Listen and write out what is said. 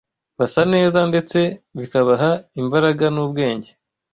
basa neza ndetse bikabaha imbaraga n’ubwenge.